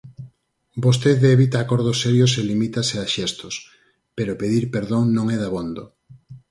"Vostede evita acordos serios e limítase a xestos, pero pedir perdón non é dabondo".